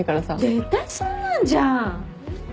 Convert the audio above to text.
絶対そんなんじゃん！